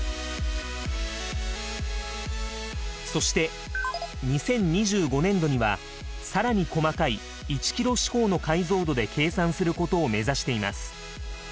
そして２０２５年度には更に細かい１ｋｍ四方の解像度で計算することを目指しています。